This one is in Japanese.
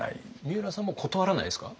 みうらさんも断らないですか？